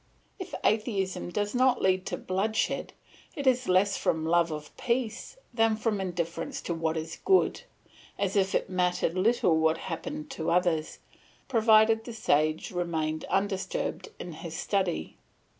If atheism does not lead to bloodshed, it is less from love of peace than from indifference to what is good; as if it mattered little what happened to others, provided the sage remained undisturbed in his study.